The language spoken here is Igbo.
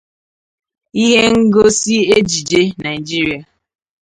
Ihe ngosi ejije Naijiria